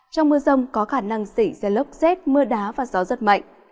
trong mưa rông có khả năng xảy ra lốc xét mưa đá và gió rất mạnh